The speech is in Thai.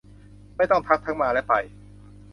ไม่ต้องทักทั้งมาและไป